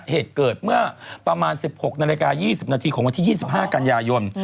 เหตุเกิดเมื่อประมาณ๑๖นาฬิกา๒๐นาทีของวันที่๒๕กันยายน